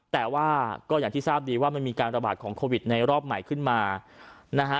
แต่ว่าก็อย่างที่ทราบดีว่ามันมีการระบาดของโควิดในรอบใหม่ขึ้นมานะฮะ